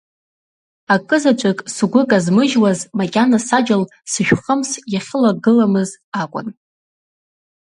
Акызаҵәык сгәы казмыжьуаз макьана саџьал сышәхымс иахьылагыламыз акәын.